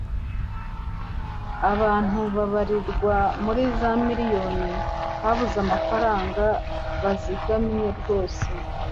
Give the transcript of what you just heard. Abantu babarirwa muri za miriyoni babuze amafaranga bazigamye rwose